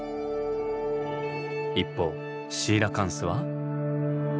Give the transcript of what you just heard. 一方シーラカンスは？